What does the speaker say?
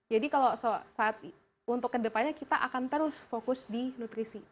jadi kalau saat untuk kedepannya kita akan terus fokus di nutrisi